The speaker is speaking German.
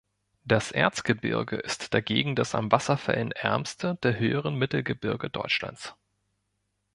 Das Erzgebirge ist dagegen das an Wasserfällen ärmste der höheren Mittelgebirge Deutschlands.